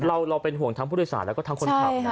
เราเป็นห่วงทั้งผู้โดยสารแล้วก็ทั้งคนขับนะ